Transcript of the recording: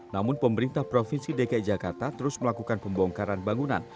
namun pemerintah provinsi dki jakarta terus melakukan pembongkaran bangunan